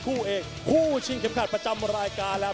คู่เอกคู่ชิงเข็มขัดประจำรายการแล้ว